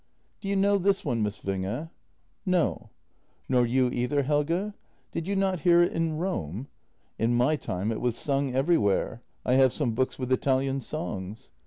" Do you know this one, Miss Winge? "" No." "Nor you either, Helge? Did you not hear it in Rome? In my time it was sung everywhere. I have some books with Italian songs."